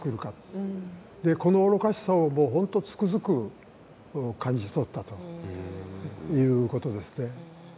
でこの愚かしさをもう本当つくづく感じ取ったということですね。